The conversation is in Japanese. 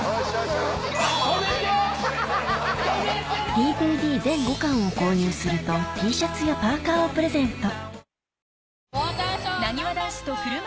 ＤＶＤ全５巻を購入するとＴシャツやパーカーをプレゼント